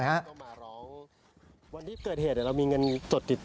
คุณป้าวาเราวันที่ก็เกิดเหตุเรามีเงินสดติดตัวไหมนะ